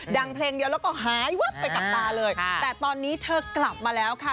ดังเพลงเดียวแล้วก็หายวับไปกับตาเลยแต่ตอนนี้เธอกลับมาแล้วค่ะ